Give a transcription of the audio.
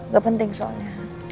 gak penting soalnya